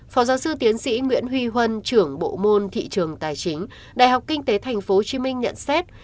phó giáo sư tiến sĩ nguyễn huy huân trưởng bộ môn thị trường tài chính đại học kinh tế tp hcm nhận xét